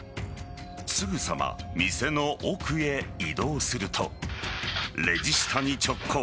すぐさま店の奥へ移動するとレジ下に直行。